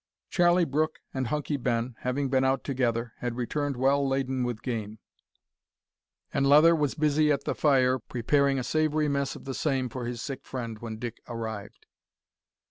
Charlie Brooke and Hunky Ben, having been out together, had returned well laden with game; and Leather was busy at the fire preparing a savoury mess of the same for his sick friend when Dick arrived.